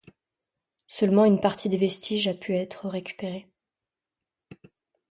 Seulement une partie des vestiges a pu être récupérée.